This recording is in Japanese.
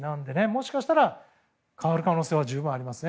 もしかしたら変わる可能性は十分ありますね。